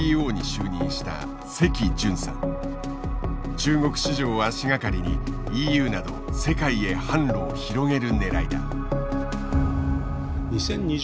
中国市場を足掛かりにＥＵなど世界へ販路を広げるねらいだ。